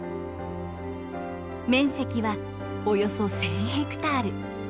面積はおよそ１，０００ヘクタール。